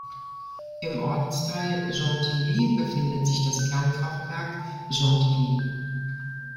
Im Ortsteil Gentilly befindet sich das Kernkraftwerk Gentilly.